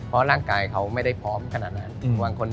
เพราะร่างกายเขาไม่ได้พร้อมขนาดนั้น